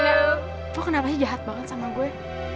aku kenapa sih jahat banget sama gue